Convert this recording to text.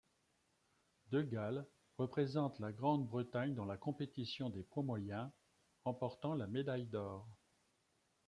DeGale représente la Grande-Bretagne dans la compétition des poids moyens, remportant la médaille d'or.